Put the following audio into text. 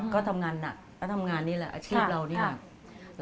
ก็ทำงานหนักก็ทำงานนี่แหละอาชีพเรานี่แหละ